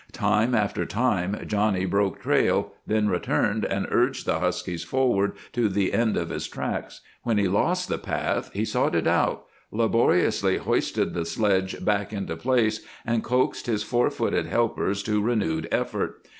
Time after time Johnny broke trail, then returned and urged the huskies forward to the end of his tracks. When he lost the path he sought it out, laboriously hoisted the sledge back into place, and coaxed his four footed helpers to renewed effort.